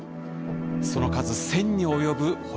その数１，０００に及ぶ星々。